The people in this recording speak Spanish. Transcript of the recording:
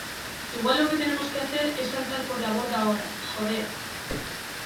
igual lo que tenemos que hacer es saltar por la borda ahora, joder.